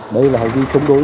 đây là hành vi chống đối